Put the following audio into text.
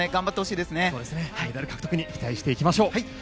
メダル獲得に期待していきましょう。